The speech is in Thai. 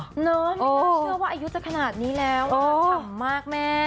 ไม่น่าเชื่อว่าอายุจะขนาดนี้แล้วฉ่ำมากแม่